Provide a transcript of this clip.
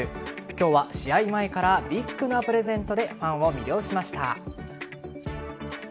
今日は試合前からビッグなプレゼントでファンを魅了しました。